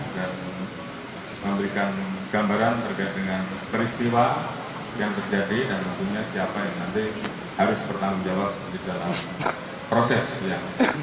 jika memang itu polisi yang terus diserahkan siapa yang bertanggung jawab bisa